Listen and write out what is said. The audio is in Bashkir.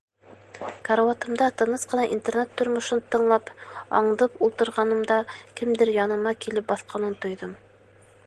Карауатымда тыныс ҡына интернат тормошон тыңлап, аңдып ултырғанымда кемдер яныма килеп баҫҡанын тойҙом.